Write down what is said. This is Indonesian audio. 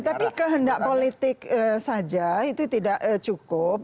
tapi kehendak politik saja itu tidak cukup